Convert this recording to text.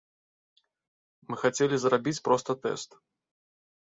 Мы хацелі зрабіць проста тэст.